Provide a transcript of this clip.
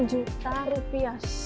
sepuluh juta rupiah